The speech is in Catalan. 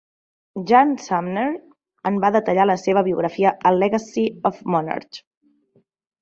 Jan Sumner en va detallar la seva biografia a "Legacy of a Monarch".